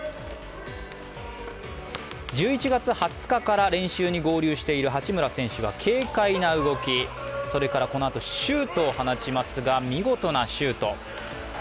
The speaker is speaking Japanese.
１１月２０日から練習に合流している八村選手は軽快な動き、それからこのあとシュートを放ちますが見事なシュート。